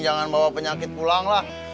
jangan bawa penyakit pulanglah